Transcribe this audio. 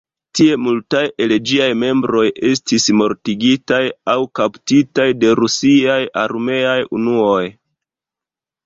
Tie multaj el ĝiaj membroj estis mortigitaj aŭ kaptitaj de rusiaj armeaj unuoj.